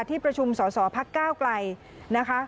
ที่ประชุมสอสอภักดิ์เก้าไกรนะคะ